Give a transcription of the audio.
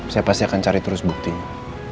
saya pasti akan cari terus buktinya